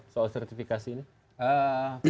soal sertifikasi ini